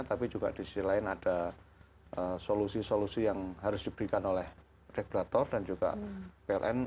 tapi juga di sisi lain ada solusi solusi yang harus diberikan oleh regulator dan juga pln